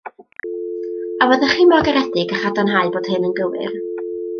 A fyddech chi mor garedig â chadarnhau bod hyn yn gywir.